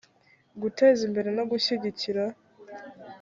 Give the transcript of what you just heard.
guteza imbere no gushyigikira